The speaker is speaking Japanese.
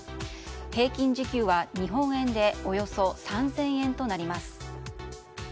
平均時給は日本円でおよそ３０００円となります。